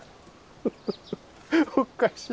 フフフおかしい！